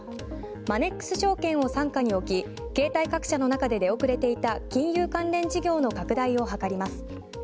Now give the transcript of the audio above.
マネックス証券を傘下に置き携帯各社の中で出遅れていた金融関連事業の拡大を図ります。